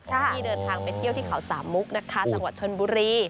ที่เดินทางไปเที่ยวที่เขาสามมุกนะคะจังหวัดชนบุรี